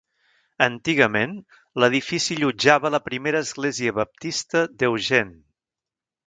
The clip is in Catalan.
Antigament, l'edifici allotjava la Primera Església Baptista d'Eugene.